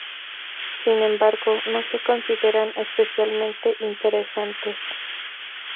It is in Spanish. Sin embargo, no se consideran especialmente interesantes.